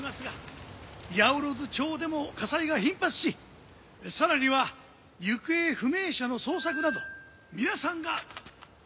八百万町でも火災が頻発しさらには行方不明者の捜索など皆さんが重責を。